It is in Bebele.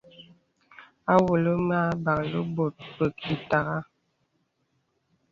Awɔ̄lə̀ mə âbalə̀ bòt pək ìtagha.